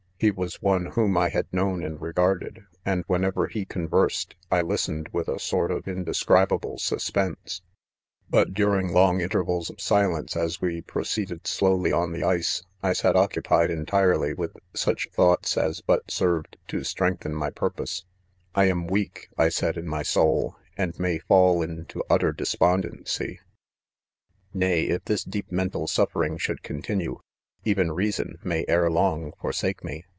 He was one whom I had known and regarded ; and whenever he con versed I listened with a sort of indescribable suspense. But during" long intervals of silence as we proceeded "slowly on : the ice,i 1 Tsat 1 oc cupied entirely with such thoughts as 'but served to strengthen my p nFpose* 1 am weakj 136 IDOMEN. I said; in my sou], .and may fall into utter des pondency J — nay, if this deep mental suffering should continue, even reason may ere long 1 , forsake me